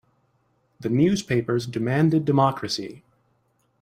The newspapers demanded democracy.